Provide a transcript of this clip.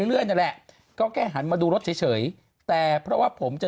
เรื่อยนั่นแหละก็แค่หันมาดูรถเฉยแต่เพราะว่าผมจะ